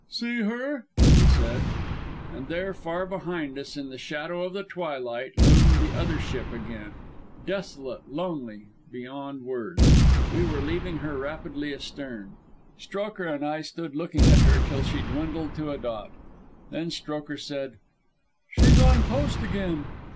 "See her?" he said. And there, far behind us, in the shadow of the twilight, loomed the Other Ship again, desolate, lonely beyond words. We were leaving her rapidly astern. Strokher and I stood looking at her till she dwindled to a dot. Then Strokher said: "She's on post again."